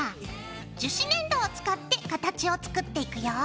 樹脂粘土を使って形を作っていくよ！